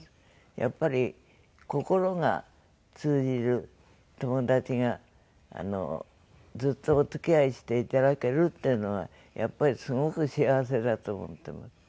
やっぱり心が通じる友達がずっとお付き合いしていただけるっていうのはやっぱりすごく幸せだと思ってます。